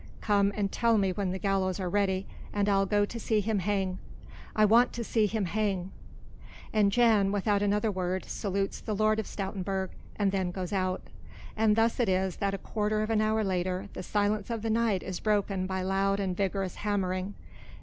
Come and tell me when the gallows are ready and I'll go to see him hang ... I want to see him hang...." And Jan without another word salutes the Lord of Stoutenburg and then goes out. And thus it is that a quarter of an hour later the silence of the night is broken by loud and vigorous hammering.